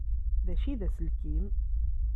D acu i d aselkim?